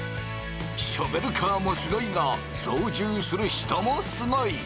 ショベルカーもすごいが操縦する人もすごい！